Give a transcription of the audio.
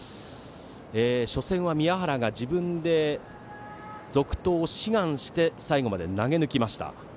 初戦は宮原が自分で続投を志願して最後まで投げ抜きました。